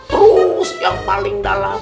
terus yang paling dalam